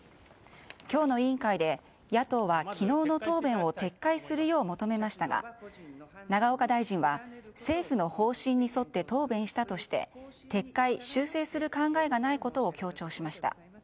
今日の委員会で野党は昨日の答弁を撤回するよう求めましたが、永岡大臣は政府の方針に沿って答弁したとして撤回・修正する考えがないことを強調しました。